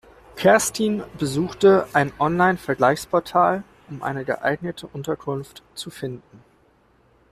Kerstin besuchte ein Online-Vergleichsportal, um eine geeignete Unterkunft zu finden.